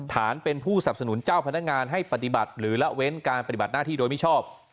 ฐานเป็นผู้สับสนุนเจ้าพนักงานให้ปฏิบัติหรือละเว้นการปฏิบัติหน้าที่โดยมิชอบ